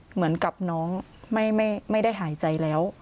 เหมือนกับน้องไม่ได้หายใจแล้ว